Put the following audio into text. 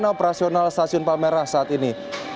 operasional stasiun palmerah saat ini